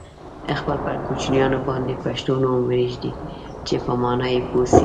خپل پر کوچنیانو باندي پښتو نوم ویږدوی چې په مانا یې پوه سی.